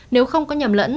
nếu không có nhầm lẫn